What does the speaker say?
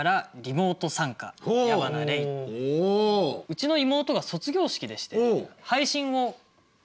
うちの妹が卒業式でして配信をしていたので。